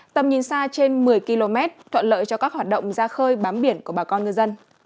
tầm nhìn xa trên một mươi km thuận lợi cho các hoạt động ra khơi bám biển của bà con ngư dân